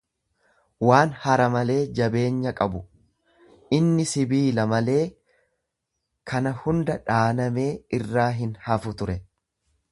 waan hara malee jabeenya qabu; Inni sibiila malee kana hunda dhaanamee irraa hinhafu ture.